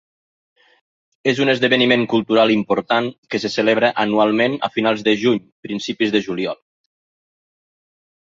És un esdeveniment cultural important que se celebra anualment a finals de juny, principis de juliol.